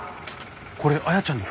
これ彩ちゃんの声。